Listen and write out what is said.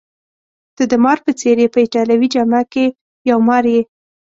ته د مار په څېر يې، په ایټالوي جامه کي یو مار یې.